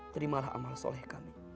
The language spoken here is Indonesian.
terimalah amal soleh kami